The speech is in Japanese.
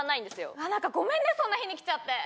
あっなんかごめんねそんな日に来ちゃって。